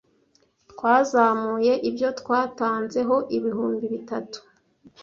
Twazamuye ibyo twatanzeho ibibumbi bitatu.